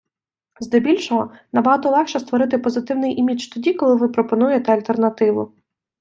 Здебільшого набагато легше створити позитивний імідж тоді, коли ви пропонуєте альтернативу.